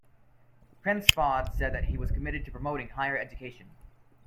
Prince Fahd said that he was committed to promoting higher education.